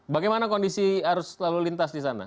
bagaimana kondisi harus selalu lintas di sana